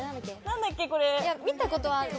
何だっけ？